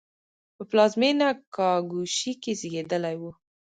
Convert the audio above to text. په پلازمېنه کاګوشی کې زېږېدلی و.